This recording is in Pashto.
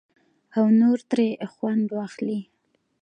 او نور ترې خوند واخلي.